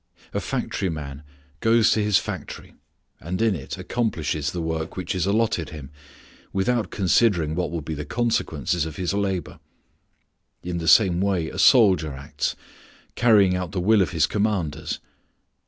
A factory workman goes to his factory and in it accomplishes the work which is allotted him without considering what will be the consequences of his labor. In the same way a soldier acts, carrying out the will of his commanders.